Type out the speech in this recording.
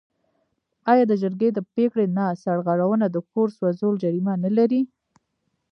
آیا د جرګې د پریکړې نه سرغړونه د کور سوځول جریمه نلري؟